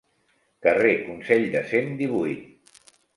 Carrer Consell de Cent, divuit.